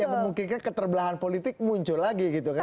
yang memungkinkan keterbelahan politik muncul lagi gitu kan